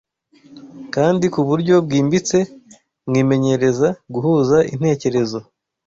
kandi ku buryo bwimbitse, mwimenyereza guhuza intekerezo